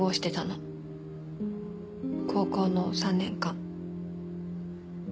高校の３年間。